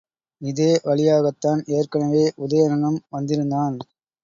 இதே வழியாகத்தான் ஏற்கெனவே உதயணனும் வந்திருந்தான்.